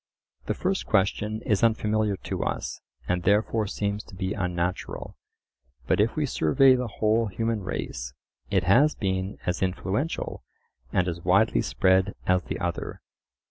The first question is unfamiliar to us, and therefore seems to be unnatural; but if we survey the whole human race, it has been as influential and as widely spread as the other.